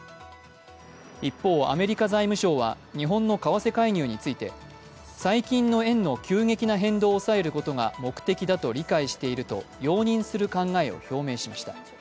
一方、アメリカ財務省は日本の為替介入について最近の円の急激な変動を抑えることが目的だと理解していると容認する考えを表明しました。